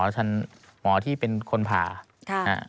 แต่หมอที่เป็นคนผ่าค่ะ